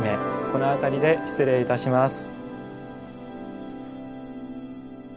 この辺りで失礼いたします。